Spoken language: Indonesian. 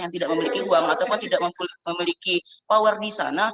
yang tidak memiliki uang ataupun tidak memiliki power di sana